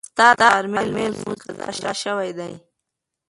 ستا د غرمې لمونځ قضا شوی دی.